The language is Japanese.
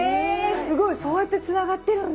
すごいそうやってつながってるんだ。